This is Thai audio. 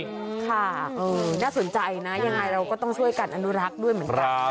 ค่ะน่าสนใจนะยังไงเราก็ต้องช่วยกันอนุรักษ์ด้วยเหมือนกัน